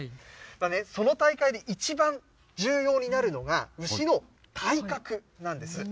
その大会で、一番重要になるのが、牛の体格なんです。